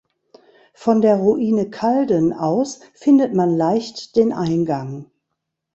Von der Ruine Kalden aus findet man leicht den Eingang.